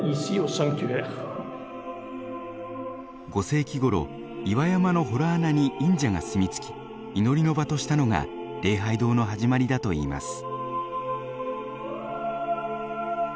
５世紀ごろ岩山の洞穴に隠者が住み着き祈りの場としたのが礼拝堂の始まりだといいます。